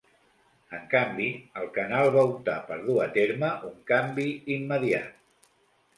En canvi, el canal va optar per dur a terme un canvi immediat.